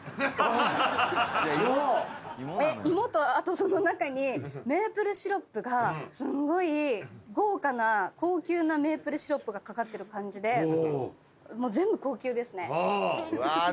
芋とあとその中にメープルシロップがすんごい豪華な高級なメープルシロップが掛かってる感じでもう。